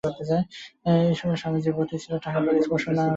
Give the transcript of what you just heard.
এই সময় স্বামীজীর ব্রতই ছিল, টাকাকড়ি স্পর্শ বা গ্রহণ করিবেন না।